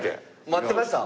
待ってました？